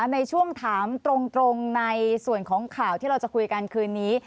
ในช่วงถามตรงในส่วนของข่าวที่เราจะคุยกันคืนนี้